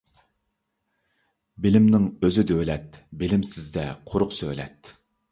بىلىمنىڭ ئۆزى دۆلەت، بىلىمسىزدە قۇرۇق سۆلەت.